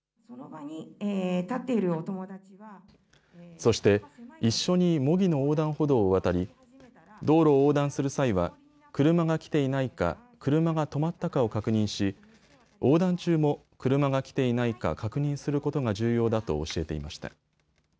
そして一緒に模擬の横断歩道を渡り道路を横断する際は車が来ていないか車が止まったかを確認し、横断中も車が来ていないか確認することが重要だと教えていました。